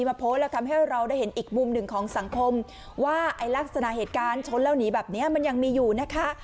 มาโพสต์แล้วทำให้เราได้เห็นอีกมุมหนึ่งของสังคมว่าไอ้ลักษณะเหตุการณ์ชนแล้วหนีแบบนี้มันยังมีอยู่นะคะ